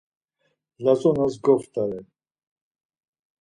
Lazonas Goptare!